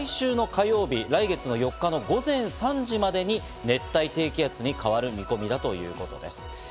来月４日午前３時までに熱帯低気圧に変わる見込みだということです。